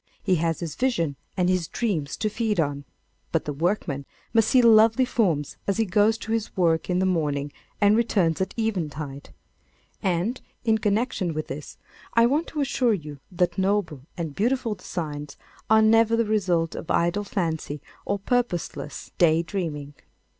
He has his visions and his dreams to feed on. But the workman must see lovely forms as he goes to his work in the morning and returns at eventide. And, in connection with this, I want to assure you that noble and beautiful designs are never the result of idle fancy or purposeless day dreaming.